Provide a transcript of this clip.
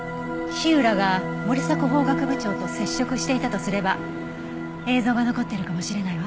火浦が森迫法学部長と接触していたとすれば映像が残っているかもしれないわ。